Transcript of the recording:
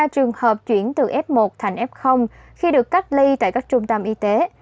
ba trường hợp chuyển từ f một thành f khi được cách ly tại các trung tâm y tế